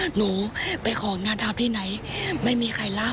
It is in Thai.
หนูไปของานทำที่ไหนไม่มีใครรับ